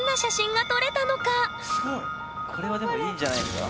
これはでもいいんじゃないですか？